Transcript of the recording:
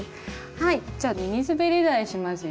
はいじゃあミニすべり台しますよ。